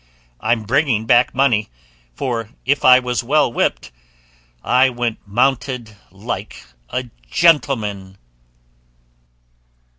I'm bringing back money, for if I was well whipped, I went mounted like a gentleman."